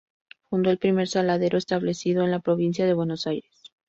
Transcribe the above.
Fundó el primer saladero establecido en la provincia de Buenos Aires.